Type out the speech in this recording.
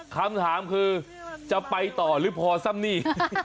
คำถามคือจะไปต่อหรือพอซ้ำนี่